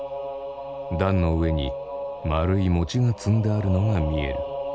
壇の上に丸い餅が積んであるのが見える。